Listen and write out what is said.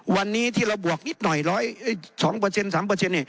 วันนี้ที่เราบวกนิดหน่อย๒๓เนี่ย